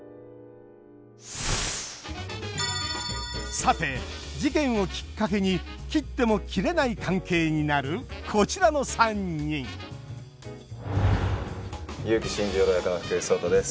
さて事件をきっかけに切っても切れない関係になるこちらの３人結城新十郎役の福士蒼汰です。